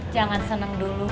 jangan seneng dulu